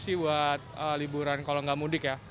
sih buat liburan kalau nggak mudik ya